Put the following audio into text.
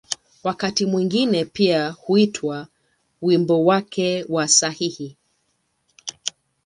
Wakati mwingine pia huitwa ‘’wimbo wake wa sahihi’’.